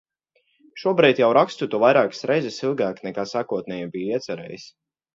Šobrīd jau rakstu to vairākas reizes ilgāk nekā sākotnēji biju iecerējis.